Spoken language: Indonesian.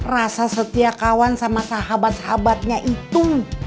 rasa setia kawan sama sahabat sahabatnya itu